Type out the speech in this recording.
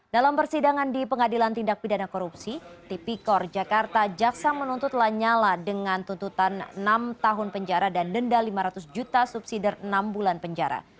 dalam persidangan di pengadilan tindak pidana korupsi tipikor jakarta jaksa menuntut lanyala dengan tuntutan enam tahun penjara dan denda lima ratus juta subsidi enam bulan penjara